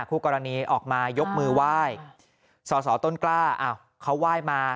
คู่กรณีออกมายกมือไหว้สอสอต้นกล้าอ้าวเขาไหว้มา